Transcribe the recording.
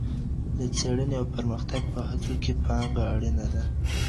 د څیړنې او پرمختګ په هڅو کي پانګه اړینه ده.